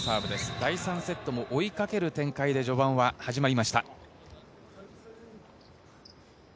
第３セットも追いかける展開で序盤は始まりました。